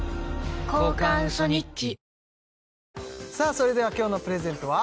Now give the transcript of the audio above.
それでは今日のプレゼントは？